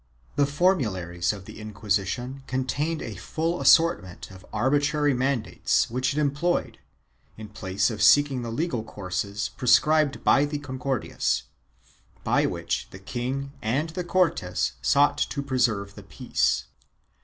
The formularies of the Inquisition contained a full assortment of arbitrary man dates which it employed, in place of seeking the legal courses prescribed in the Concordias, by which the king and the Cortes sought to preserve the peace.